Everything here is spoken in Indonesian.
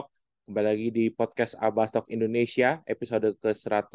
kembali lagi di podcast abastok indonesia episode ke satu ratus lima puluh tujuh